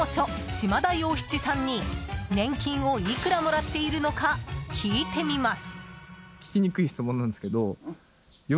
島田洋七さんに年金をいくらもらっているのか聞いてみます。